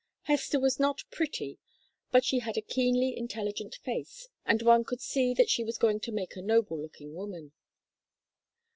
Hester was not pretty, but she had a keenly intelligent face, and one could see that she was going to make a noble looking woman.